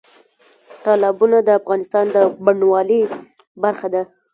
تالابونه د افغانستان د بڼوالۍ برخه ده.